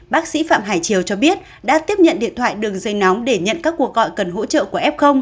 bác sĩ phạm hải triều cho biết đã tiếp nhận điện thoại đường dây nóng để nhận các cuộc gọi cần hỗ trợ của f